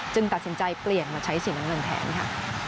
ตัดสินใจเปลี่ยนมาใช้สีน้ำเงินแทนค่ะ